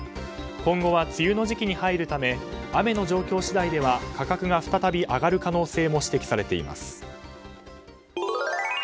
今後は梅雨の時期に入るため雨の状況次第では価格が再び上がる可能性も指摘されています。